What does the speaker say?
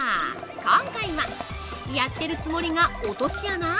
今回はやってるつもりが落とし穴！？